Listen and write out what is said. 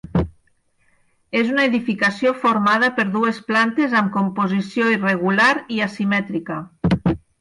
És una edificació formada per dues plantes amb composició irregular i asimètrica.